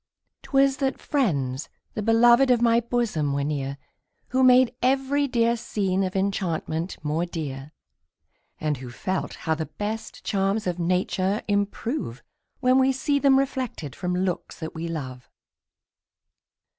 'Twas that friends, the beloved of my bosom, were near, Who made every dear scene of enchantment more dear, And who felt how the best charms of nature improve, When we see them reflected from looks that we love.